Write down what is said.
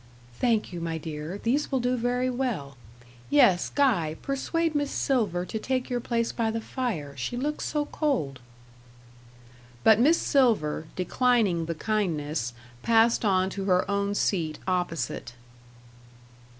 "Thank you, my dear. These will do very well. Yes, Guy, persuade Miss Silver to take your place by the fire. She looks so cold." But Miss Silver, declining the kindness, passed on to her own seat opposite.